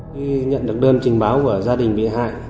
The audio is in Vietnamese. khi nhận được đơn trình báo của gia đình bị hại